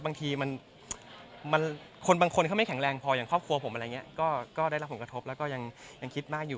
บางทีมันคนบางคนเขาไม่แข็งแรงพออย่างครอบครัวผมอะไรอย่างนี้ก็ได้รับผลกระทบแล้วก็ยังคิดมากอยู่